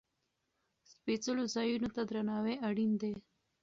سپېڅلو ځایونو ته درناوی اړین دی.